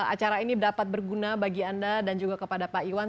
acara ini dapat berguna bagi anda dan juga kepada pak iwan